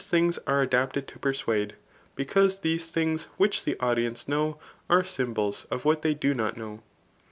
fidOK III* adapted to persuade; because these things which the audience know, are symbols of what they do not know.